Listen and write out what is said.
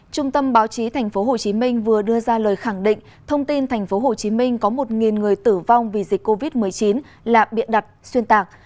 trung tâm báo chí tp hcm vừa đưa ra lời khẳng định thông tin tp hcm có một người tử vong vì dịch covid một mươi chín là biện đặt xuyên tạc